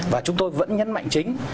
và chúng tôi vẫn nhấn mạnh chính